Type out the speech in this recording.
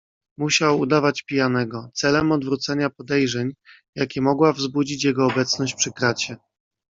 "Musiał udawać pijanego, celem odwrócenia podejrzeń, jakie mogła wzbudzić jego obecność przy kracie."